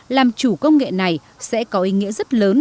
làm chủ công nghệ này sẽ có ý nghĩa rất lớn